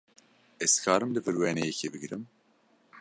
Ez dikarim li vir wêneyekî bigirim?